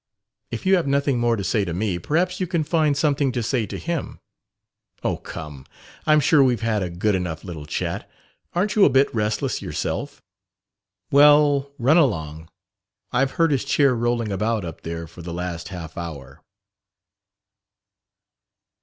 If you have nothing more to say to me, perhaps you can find something to say to him." "Oh, come! I'm sure we've had a good enough little chat. Aren't you a bit restless yourself?" "Well, run along. I've heard his chair rolling about up there for the last half hour."